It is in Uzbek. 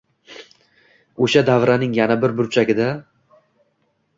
O’sha davraning yana bir burchiagida